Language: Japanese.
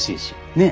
ねえ。